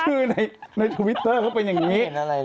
คือในทวิตเตอร์เขาเป็นอย่างนี้